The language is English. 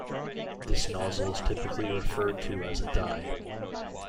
This nozzle is typically referred to as a die.